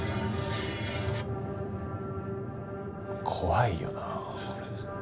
怖いよなこれ。